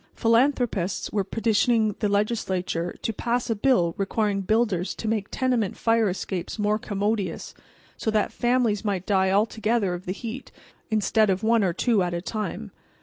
Philanthropists were petitioning the Legislature to pass a bill requiring builders to make tenement fire escapes more commodious, so that families might die all together of the heat instead of one or two at a time.